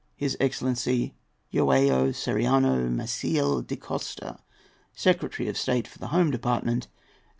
His Excellency, João Sereriano Maciele da Costa, Secretary of State for the Home Department, &c.